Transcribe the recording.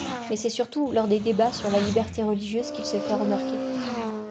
Mais c'est surtout lors des débats sur la liberté religieuse qu'il se fait remarquer.